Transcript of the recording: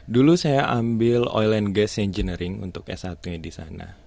dulu saya ambil oil and gas engineering untuk s satu di sana